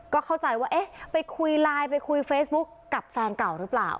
ก็เข้าใจว่าเอ๊ะไปคุยไลน์ไปคุยเฟซบุ๊คกับแฟนเก่าหรือเปล่า